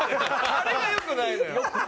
あれが良くないのよ。